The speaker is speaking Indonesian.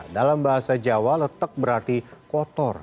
dalam bahasa jawa letek berarti kotor